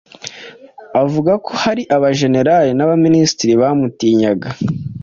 Avuga ko hari abajenerali n'abaminisitiri bamutinyaga